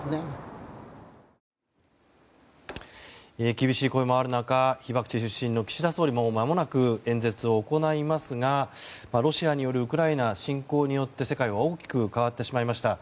厳しい声もある中被爆地出身の岸田総理もまもなく演説を行いますがロシアによるウクライナ侵攻によって世界は大きく変わってしまいました。